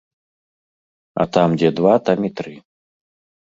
А там дзе два там і тры.